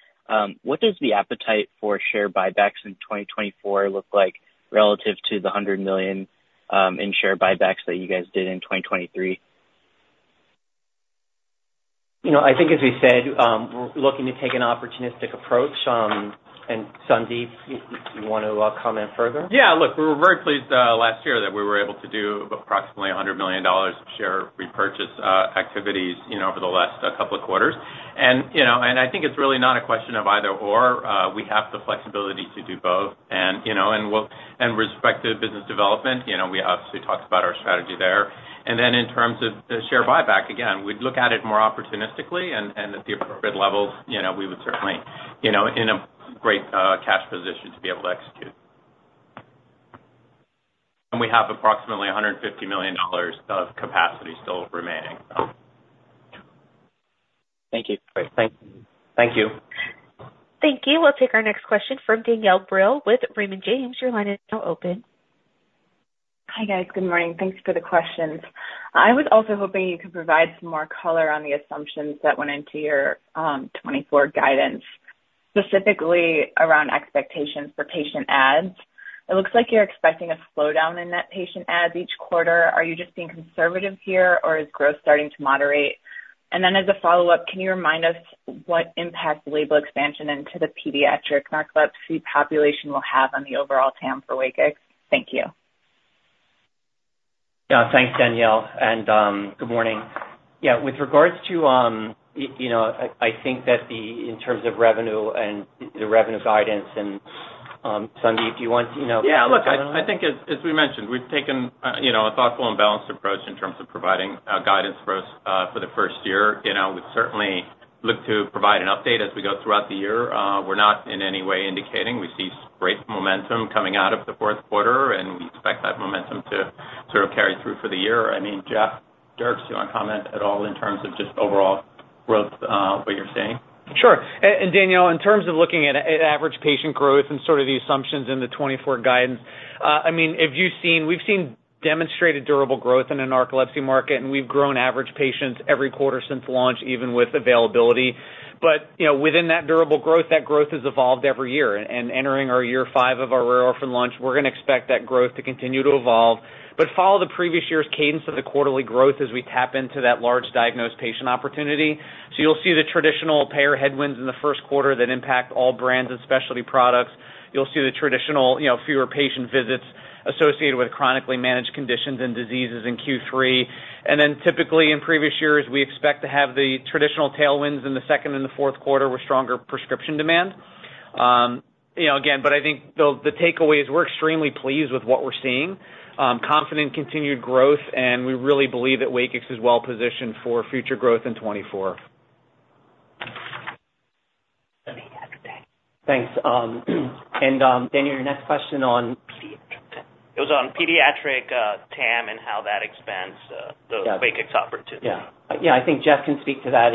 what does the appetite for share buybacks in 2024 look like relative to the $100 million in share buybacks that you guys did in 2023? I think, as we said, we're looking to take an opportunistic approach. Sandip, you want to comment further? Yeah. Look, we were very pleased last year that we were able to do approximately $100 million of share repurchase activities over the last couple of quarters. And I think it's really not a question of either/or. We have the flexibility to do both. And with respect to business development, we obviously talked about our strategy there. And then in terms of the share buyback, again, we'd look at it more opportunistically. And at the appropriate levels, we would certainly in a great cash position to be able to execute. And we have approximately $150 million of capacity still remaining, so. Thank you. Great. Thank you. Thank you. We'll take our next question from Danielle Brill with Raymond James. Your line is now open. Hi, guys. Good morning. Thanks for the questions. I was also hoping you could provide some more color on the assumptions that went into your 2024 guidance, specifically around expectations for patient ads. It looks like you're expecting a slowdown in net patient ads each quarter. Are you just being conservative here, or is growth starting to moderate? And then as a follow-up, can you remind us what impact label expansion into the pediatric narcolepsy population will have on the overall TAM for WAKIX? Thank you. Yeah. Thanks, Danielle. And good morning. Yeah. With regards to, I think that in terms of revenue and the revenue guidance, and Sandip, do you want to comment on that? Yeah. Look, I think, as we mentioned, we've taken a thoughtful and balanced approach in terms of providing guidance for the first year. We certainly look to provide an update as we go throughout the year. We're not in any way indicating we see great momentum coming out of the fourth quarter, and we expect that momentum to sort of carry through for the year. I mean, Jeff Dierks, do you want to comment at all in terms of just overall growth, what you're saying? Sure. And Danielle, in terms of looking at average patient growth and sort of the assumptions in the 2024 guidance, I mean, we've seen demonstrated durable growth in a narcolepsy market, and we've grown average patients every quarter since launch, even with availability. But within that durable growth, that growth has evolved every year. And entering our Year 5 of our rare orphan launch, we're going to expect that growth to continue to evolve. But follow the previous year's cadence of the quarterly growth as we tap into that large diagnosed patient opportunity. So you'll see the traditional payer headwinds in the first quarter that impact all brands and specialty products. You'll see the traditional fewer patient visits associated with chronically managed conditions and diseases in Q3. Then typically, in previous years, we expect to have the traditional tailwinds in the second and the fourth quarter with stronger prescription demand. Again, but I think the takeaway is we're extremely pleased with what we're seeing, confident in continued growth, and we really believe that WAKIX is well-positioned for future growth in 2024. Thanks. Danielle, your next question on. It was on pediatric TAM and how that expands the WAKIX opportunity. Yeah. Yeah. I think Jeff can speak to that.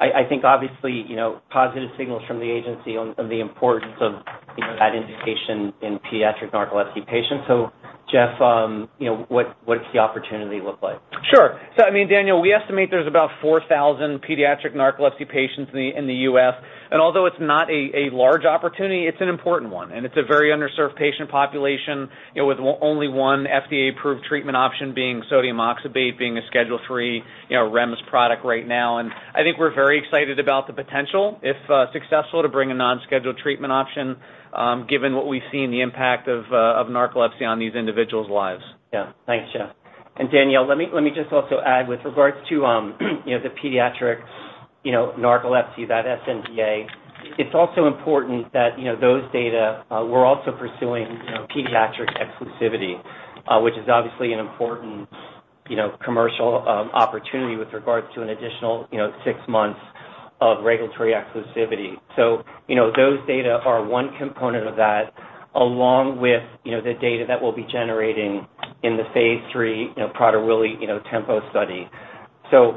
I think, obviously, positive signals from the agency on the importance of that indication in pediatric narcolepsy patients. Jeff, what does the opportunity look like? Sure. So I mean, Danielle, we estimate there's about 4,000 pediatric narcolepsy patients in the U.S. And although it's not a large opportunity, it's an important one. And it's a very underserved patient population with only one FDA-approved treatment option being sodium oxybate, being a schedule III REMS product right now. And I think we're very excited about the potential, if successful, to bring a non-scheduled treatment option given what we've seen the impact of narcolepsy on these individuals' lives. Yeah. Thanks, Jeff. And Danielle, let me just also add, with regards to the pediatric narcolepsy, that sNDA, it's also important that those data we're also pursuing pediatric exclusivity, which is obviously an important commercial opportunity with regards to an additional six months of regulatory exclusivity. So those data are one component of that, along with the data that we'll be generating in Phase III Prader-Willi TEMPO study. So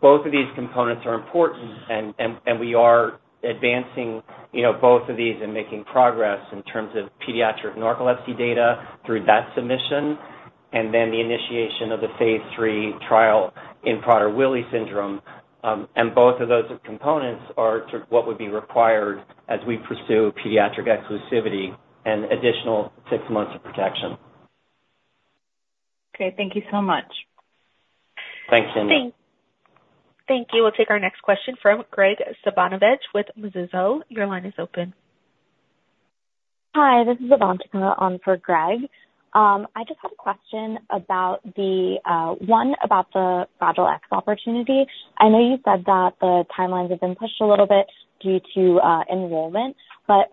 both of these components are important, and we are advancing both of these and making progress in terms of pediatric narcolepsy data through that submission and then the initiation of Phase III trial in Prader-Willi syndrome. And both of those components are sort of what would be required as we pursue pediatric exclusivity and additional six months of protection. Okay. Thank you so much. Thanks, Danielle. Thank you. We'll take our next question from Graig Suvannavejh with Mizuho. Your line is open. Hi. This is Ivanchika on for Graig. I just had a question about the one about the Fragile X opportunity. I know you said that the timelines have been pushed a little bit due to enrollment, but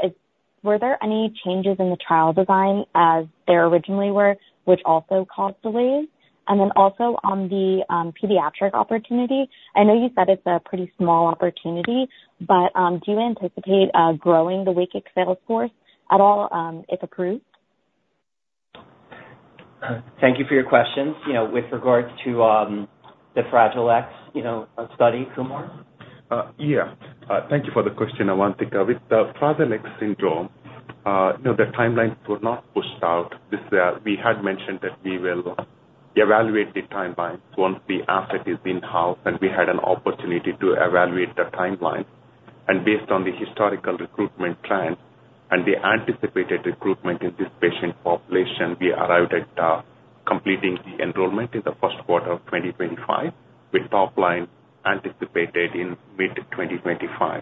were there any changes in the trial design as there originally were, which also caused delays? And then also on the pediatric opportunity, I know you said it's a pretty small opportunity, but do you anticipate growing the WAKIX sales force at all if approved? Thank you for your questions. With regards to the Fragile X study, Kumar? Yeah. Thank you for the question, Ivanchika. With the Fragile X syndrome, the timelines were not pushed out. We had mentioned that we will evaluate the timeline once the asset is in-house and we had an opportunity to evaluate the timeline. And based on the historical recruitment trend and the anticipated recruitment in this patient population, we arrived at completing the enrollment in the first quarter of 2025 with top line anticipated in mid-2025.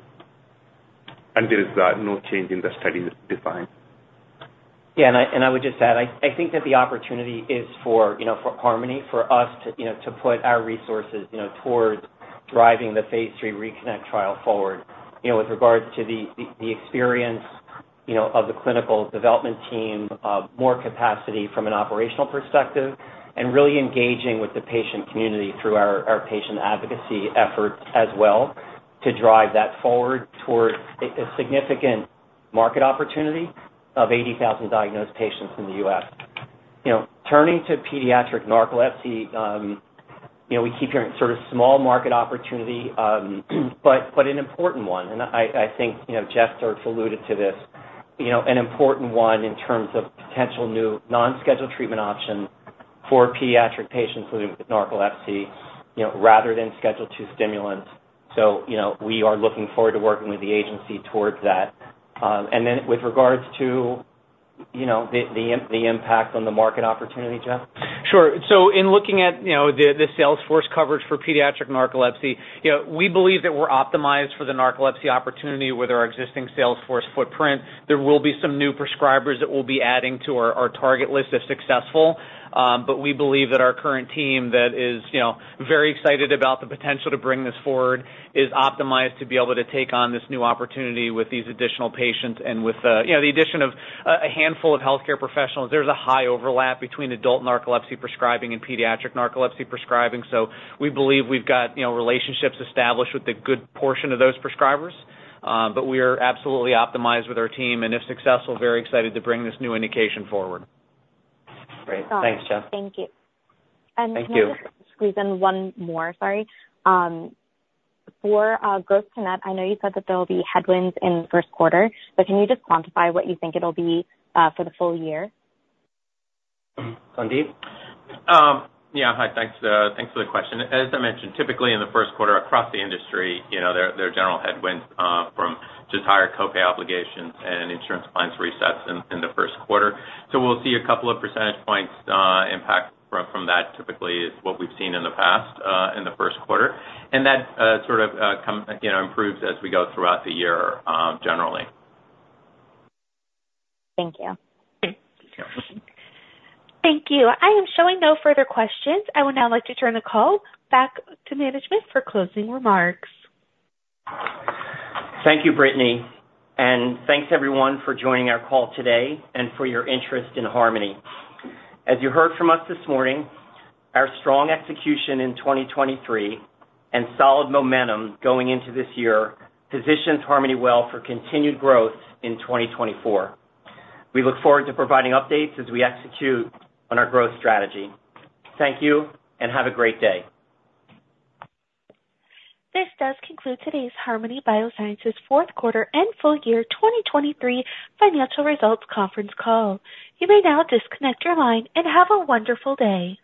And there is no change in the study design. Yeah. I would just add, I think that the opportunity is for Harmony, for us to put our resources towards driving Phase III RECONNECT trial forward with regards to the experience of the clinical development team, more capacity from an operational perspective, and really engaging with the patient community through our patient advocacy efforts as well to drive that forward towards a significant market opportunity of 80,000 diagnosed patients in the U.S. Turning to pediatric narcolepsy, we keep hearing sort of small market opportunity, but an important one. I think Jeff Dierks alluded to this, an important one in terms of potential new non-scheduled treatment options for pediatric patients living with narcolepsy rather than schedule II stimulants. We are looking forward to working with the agency towards that. Then with regards to the impact on the market opportunity, Jeff? Sure. So in looking at the sales force coverage for pediatric narcolepsy, we believe that we're optimized for the narcolepsy opportunity with our existing sales force footprint. There will be some new prescribers that we'll be adding to our target list of successful. But we believe that our current team that is very excited about the potential to bring this forward is optimized to be able to take on this new opportunity with these additional patients and with the addition of a handful of healthcare professionals. There's a high overlap between adult narcolepsy prescribing and pediatric narcolepsy prescribing. So we believe we've got relationships established with a good portion of those prescribers. But we are absolutely optimized with our team and, if successful, very excited to bring this new indication forward. Great. Thanks, Jeff. Thank you. And can I just squeeze in one more? Sorry. For gross-to-net, I know you said that there'll be headwinds in the first quarter, but can you just quantify what you think it'll be for the full year? Sandip? Yeah. Hi. Thanks for the question. As I mentioned, typically, in the first quarter across the industry, there are general headwinds from just higher copay obligations and insurance plans resets in the first quarter. So we'll see a couple of percentage points impact from that, typically, is what we've seen in the past in the first quarter. And that sort of improves as we go throughout the year generally. Thank you. Thank you. I am showing no further questions. I would now like to turn the call back to management for closing remarks. Thank you, Britt. Thanks, everyone, for joining our call today and for your interest in Harmony. As you heard from us this morning, our strong execution in 2023 and solid momentum going into this year positions Harmony well for continued growth in 2024. We look forward to providing updates as we execute on our growth strategy. Thank you, and have a great day. This does conclude today's Harmony Biosciences fourth quarter and full year 2023 financial results conference call. You may now disconnect your line and have a wonderful day.